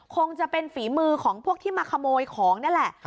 คงจะเป็นฝีมือของพวกที่มาขโมยของนี่แหละ